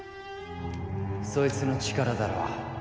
そいつの力だろう。